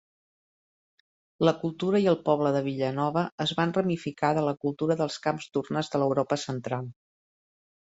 La cultura i el poble de Villanova es van ramificar de la cultura dels camps d'urnes de l'Europa central.